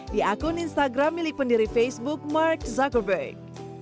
di akun instagram milik pendiri facebook mark zuckerberg